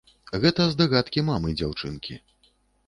Гэта здагадкі мамы дзяўчынкі.